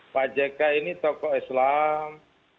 pak jk ini tokoh islam